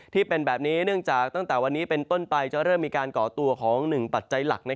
ที่เป็นแบบนี้เนื่องจากตั้งแต่วันนี้เป็นต้นไปจะเริ่มมีการก่อตัวของ๑ปัจจัยหลัก